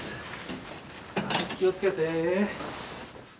気を付けて。